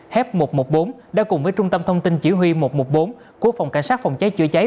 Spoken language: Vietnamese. h một trăm một mươi bốn đã cùng với trung tâm thông tin chỉ huy một trăm một mươi bốn của phòng cảnh sát phòng cháy chữa cháy